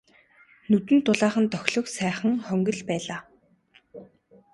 Нүдэнд дулаахан тохилог сайхан хонгил байлаа.